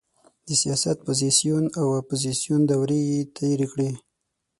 د سیاست پوزیسیون او اپوزیسیون دورې یې تېرې کړې.